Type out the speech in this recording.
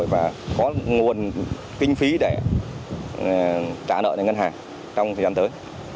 và có nguồn kinh phí để trả nợ cho ngân hàng trong thời gian tới